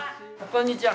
こんにちは。